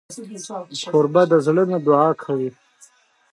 کوربه د زړه نه دعا کوي.